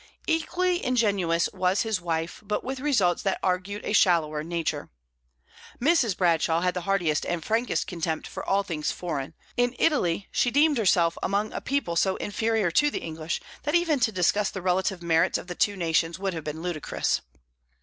Equally ingenuous was his wife, but with results that argued a shallower nature. Mrs. Bradshaw had the heartiest and frankest contempt for all things foreign; in Italy she deemed herself among a people so inferior to the English that even to discuss the relative merits of the two nations would have been ludicrous.